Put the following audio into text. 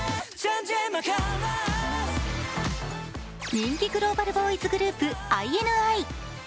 人気グローバルボーイズグループ、ＩＮＩ。